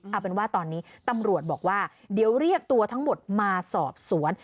เอาเป็นว่าตอนนี้ตำรวจบอกว่าเดี๋ยวเรียกตัวทั้งหมดมาสอบสวน